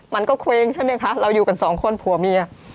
มันก็เคว้งใช่ไหมคะเราอยู่กันสองคนผัวเมีย